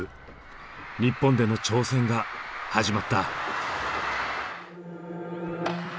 日本での挑戦が始まった。